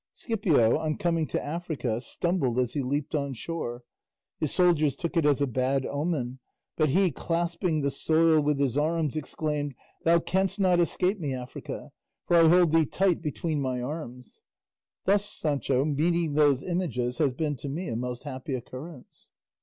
Scipio on coming to Africa stumbled as he leaped on shore; his soldiers took it as a bad omen; but he, clasping the soil with his arms, exclaimed, 'Thou canst not escape me, Africa, for I hold thee tight between my arms.' Thus, Sancho, meeting those images has been to me a most happy occurrence."